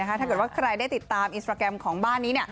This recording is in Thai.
ถ้าเกิดว่าใครได้ติดตามอินสตราแกรมของบ้านนี้